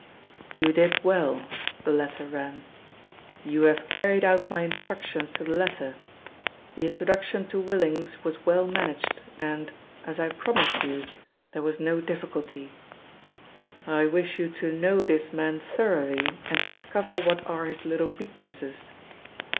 'You did well,' (the letter ran). 'You have carried out my instructions to the letter. The introduction to Willings was well managed and, as I promised you, there was no difficulty. I wish you to know this man thoroughly and discover what are his little weaknesses.